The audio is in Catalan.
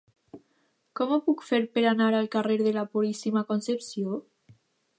Com ho puc fer per anar al carrer de la Puríssima Concepció?